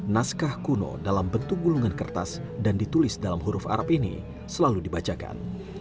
naskah kuno dalam bentuk gulungan kertas dan ditulis dalam huruf arab ini selalu dibacakan